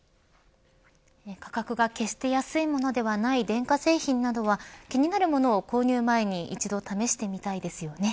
価格が、決して安いものではない電化製品などは気になるものを購入前に一度試してみたいですよね。